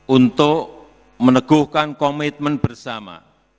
untuk meneguhkan komitmen bersama